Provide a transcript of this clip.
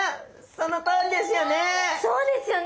そのとおりですよね。